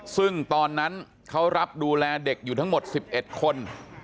ซึ่งตอนนั้นเขารับดูแลเด็กอยู่ทั้งหมด๑๑คน